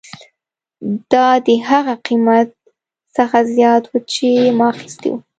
دا د هغه قیمت څخه زیات و چې ما اخیستی و